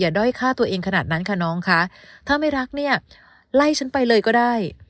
ด้อยฆ่าตัวเองขนาดนั้นค่ะน้องคะถ้าไม่รักเนี่ยไล่ฉันไปเลยก็ได้